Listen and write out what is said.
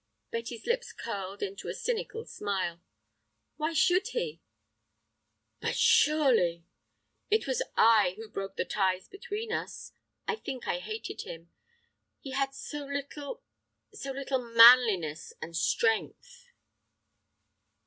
Betty's lips curled into a cynical smile. "Why should he?" "But, surely—" "It was I who broke the ties between us. I think I hated him. He had so little—so little manliness and strength."